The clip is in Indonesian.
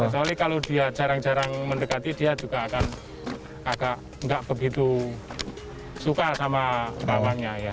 soalnya kalau dia jarang jarang mendekati dia juga akan agak nggak begitu suka sama bawangnya ya